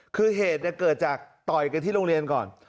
คือเหตุเกิดจากต่อยกันที่โรงเรียนก่อน